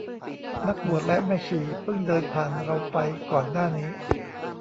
นักบวชและแม่ชีเพิ่งเดินผ่านเราไปก่อนหน้านี้